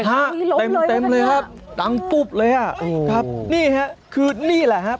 ฮะเต็มเต็มเลยครับดังปุ๊บเลยอ่ะครับนี่ฮะคือนี่แหละครับ